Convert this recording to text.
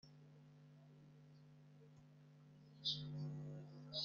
ingingo y’ ubusaze bw’ igihano.